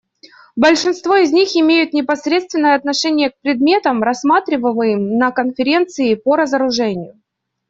Большинство из них имеют непосредственное отношение к предметам, рассматриваемым на Конференции по разоружению.